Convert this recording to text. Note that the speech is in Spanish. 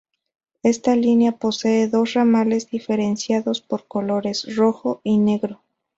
Esta línea posee dos ramales diferenciados por colores: Rojo y Negro.